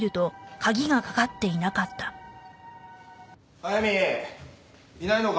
速水いないのか？